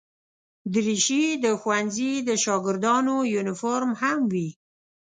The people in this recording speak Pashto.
دریشي د ښوونځي د شاګردانو یونیفورم هم وي.